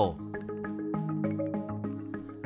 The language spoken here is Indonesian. mas lurah niti pawoko